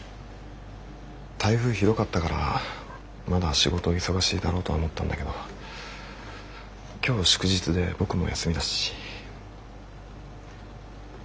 台風ひどかったからまだ仕事忙しいだろうとは思ったんだけど今日祝日で僕も休みだし。